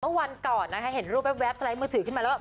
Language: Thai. วันก่อนนะคะเห็นรูปแว๊บสไลด์มือถือขึ้นมาแล้ว